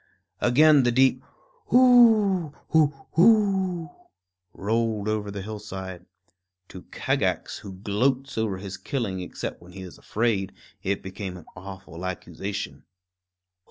Again the deep Whooo hoo hoo! rolled over the hillside. To Kagax, who gloats over his killing except when he is afraid, it became an awful accusation.